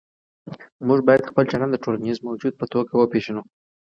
موږ باید خپل چلند د ټولنیز موجود په توګه وپېژنو.